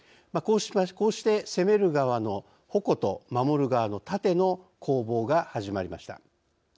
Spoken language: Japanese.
こうして攻める側の「矛」と守る側の「盾」の攻防が始まりました。